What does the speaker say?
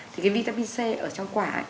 thì cái vitamin c ở trong quả